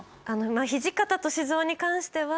土方歳三に関しては